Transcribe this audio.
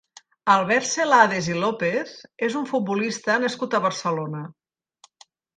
Albert Celades i López és un futbolista nascut a Barcelona.